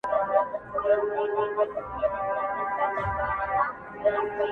o ټولنه لا هم زده کړه کوي,